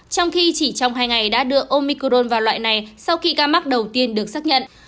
trong khi chỉ trong hai ngày đã đưa omicron vào loại này sau khi ca mắc đầu tiên được xác nhận